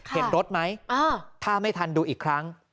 เห็นรถไหมถ้าไม่ทันดูอีกครั้ง